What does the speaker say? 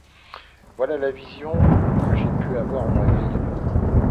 Voilà la vision que j’ai pu avoir au réveil.